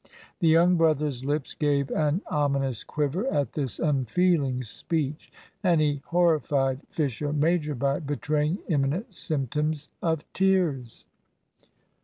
The young brother's lips gave an ominous quiver at this unfeeling speech, and he horrified Fisher major by betraying imminent symptoms of tears.